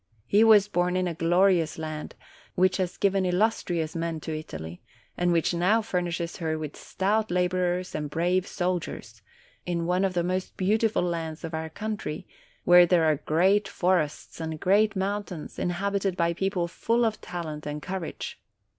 He was born in a glorious land, which has given illustrious men to Italy, and which now furnishes her with stout laborers and brave soldiers; in one of the most beautiful lands of our country, where there are great forests, and great mountains, inhabited by people full of talent and cour age.